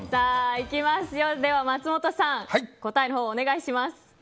では松本さん答えをお願いします。